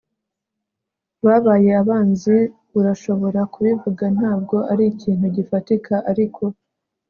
babaye abanzi. urashobora kubivuga, ntabwo ari ikintu gifatika ariko